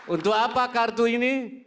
untuk apa kartu ini